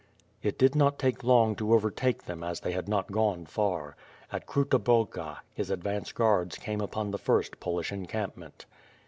It did not take long to overtake them as they had not gone 1 86 WITH FIRE AND SWORD. far. At Kruta Balka, his advance guards came upon the first Polish encampment.